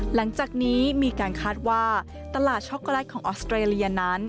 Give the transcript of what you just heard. หลังจากนี้มีการคาดว่าตลาดช็อกโกแลตของออสเตรเลียนั้น